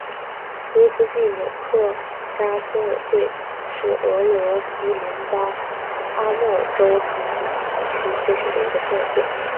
乌斯季纽克扎村委员会是俄罗斯联邦阿穆尔州腾达区所属的一个村委员会。